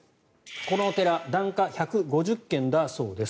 このお寺檀家１５０軒だそうです。